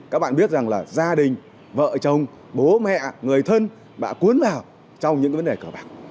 các bạn biết rằng là gia đình vợ chồng bố mẹ người thân đã cuốn vào trong những vấn đề cờ bạc